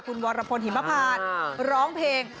คุณวรพลหิมพานร้องเพลง